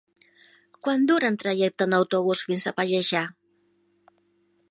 Quant dura el trajecte en autobús fins a Pallejà?